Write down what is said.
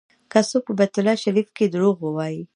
که څوک په بیت الله شریف کې دروغ ووایي.